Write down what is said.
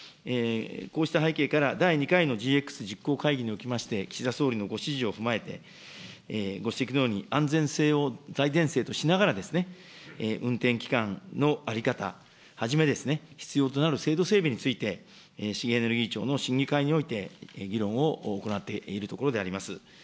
こうした背景から、第２回のＧＸ実行会議におきまして、岸田総理のご指示を踏まえて、ご指摘のように、安全性を大前提としながら、運転期間の在り方はじめですね、必要となる制度整備について、資源エネルギー庁の審議会において、議論を行っているところであります。